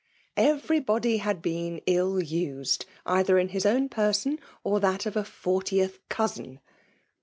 Every body had been ill used^ either in his own perspni or that of a fortieth cousin.